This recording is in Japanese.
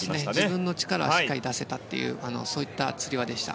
自分の力はしっかり出せたというつり輪でした。